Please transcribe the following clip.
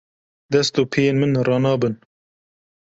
Dest û piyên min ranabin.